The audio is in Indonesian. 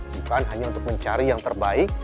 bukan hanya untuk mencari yang terbaik